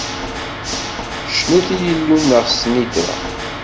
Cnut i Yillu-nneɣ s snitra!